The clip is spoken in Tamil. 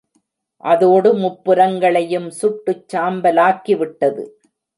அதோடு முப்புரங்களையும் சுட்டுச் சாம்பலாக்கிவிட்டது.